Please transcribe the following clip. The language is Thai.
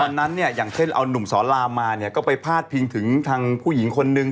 ตอนนั้นเนี่ยอย่างเช่นเอานุ่มสอนรามมาเนี่ยก็ไปพาดพิงถึงทางผู้หญิงคนนึง